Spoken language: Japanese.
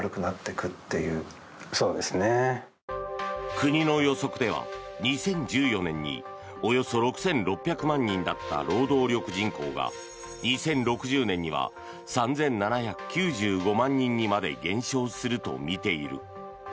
国の予測では２０１４年におよそ６６００万人だった労働力人口が２０６０年には３７９５万人にまで減少するとみている。